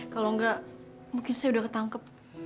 kalau enggak mungkin saya udah ketangkep